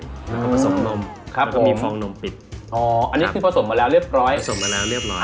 แล้วก็ผสมนมแล้วก็มีฟองนมปิดอ๋ออันนี้คือผสมมาแล้วเรียบร้อย